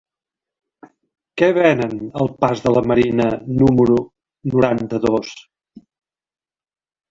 Què venen al pas de la Marina número noranta-dos?